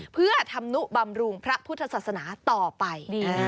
เพื่อทำนุบำรุงพระพุทธศาสนาต่อไป